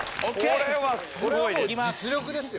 これは実力ですよ。